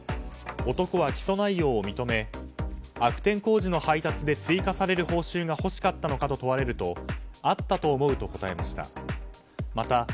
男は起訴内容を認め悪天候時の配達で追加される報酬が欲しかったのかと問われるとあったと思うと答えました。